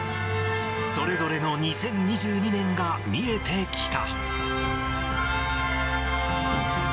それぞれの２０２２年が見えてきた。